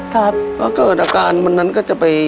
ถ้าเกิดอาการวันนั้นก็จะไป